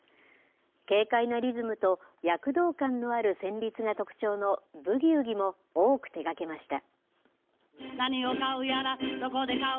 軽快なリズムと躍動感のある旋律が特徴のブギウギも多く手がけました。